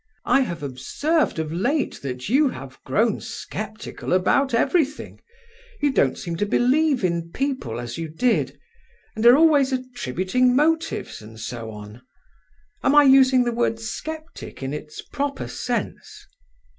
"I have observed of late that you have grown sceptical about everything. You don't seem to believe in people as you did, and are always attributing motives and so on—am I using the word 'sceptic' in its proper sense?"